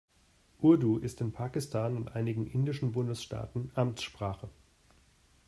Urdu ist in Pakistan und einigen indischen Bundesstaaten Amtssprache.